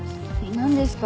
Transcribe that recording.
何ですか？